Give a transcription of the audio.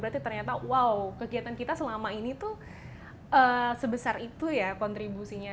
berarti ternyata wow kegiatan kita selama ini tuh sebesar itu ya kontribusinya